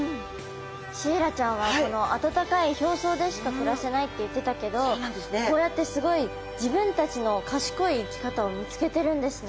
シイラちゃんは温かい表層でしか暮らせないって言ってたけどこうやってすごい自分たちの賢い生き方を見つけてるんですね。